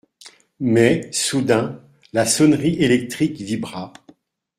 Mais, soudain, la sonnerie électrique vibra.